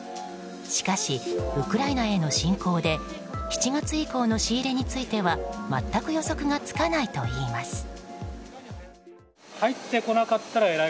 しかし、ウクライナへの侵攻で７月以降の仕入れについては全く予測がつかないといいます。